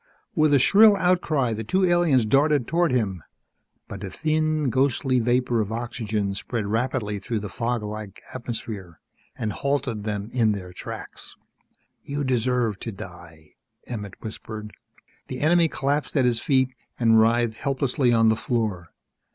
With a shrill outcry the two aliens darted toward him. But a thin, ghostly vapor of oxygen spread rapidly through the fog like atmosphere, and halted them in their tracks. "You deserve to die," Emmett whispered. The enemy collapsed at his feet and writhed helplessly on the floor.